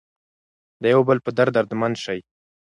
د یو بل په درد دردمن شئ.